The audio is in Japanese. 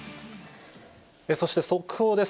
そして速報です。